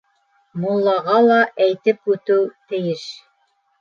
Муллаға ла әйтеп үтеү тейеш.